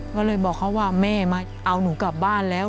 ก็เลยบอกเขาว่าแม่มาเอาหนูกลับบ้านแล้ว